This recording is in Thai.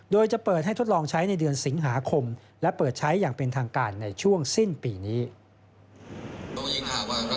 คือทำให้คนรักมันทำได้แต่รักษาให้คนรักตลอดไปรักษายาก